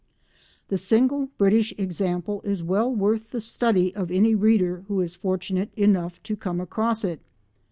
The single British example is well worth the study of any reader who is fortunate enough to come across it.